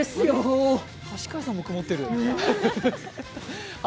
橋階さんも曇ってる。